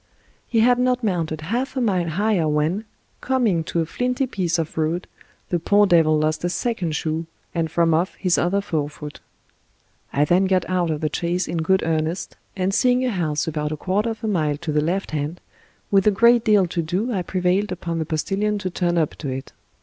He had not mounted half a mile higher when, coming to a flinty piece of road, the poor devil lost a second shoe, and from oflf his other forefoot. I then got out of the chaise in good earnest, and seeing a house about a quarter of a mile to the left hand, with a great deal to do I prevailed upon the postilion to turn up to it.